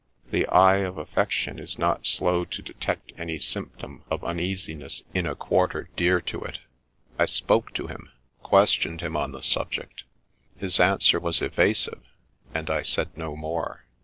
The eye of affection is not slow to detect any symptom of uneasiness in a quarter dear to it. I spoke to him, questioned him on the subject ; his answer was evasive, and I said no more.